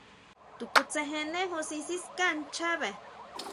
To kutsejene júsʼi siská nchabe.